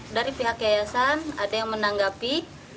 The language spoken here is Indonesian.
dari pihak yayasan ada yang menanggapi